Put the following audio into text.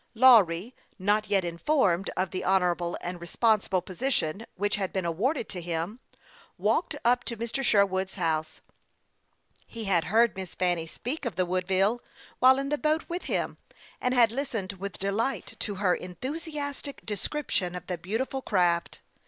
Lawry, not yet informed of the honorable and responsible position which had been awarded to him, walked up to Mr. Sherwood's house. He had heard Miss Fanny speak of the Woodville, while in the boat with him, and had listened with delight to her enthusiastic description of the beautiful craft.